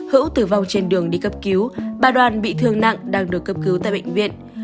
hữu tử vong trên đường đi cấp cứu bà đoan bị thương nặng đang được cấp cứu tại bệnh viện